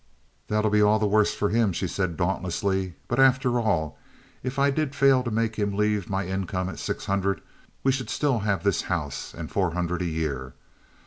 "That'll be all the worse for him," she said dauntlessly. "But, after all, if I did fail to make him leave my income at six hundred, we should still have this house and four hundred a year.